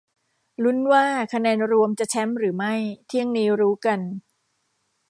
ลุ้น ว่าคะแนนรวมจะแชมป์หรือไม่ เที่ยงนี้รู้กัน